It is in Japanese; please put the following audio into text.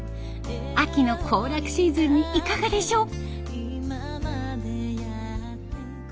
秋の行楽シーズンにいかがでしょう。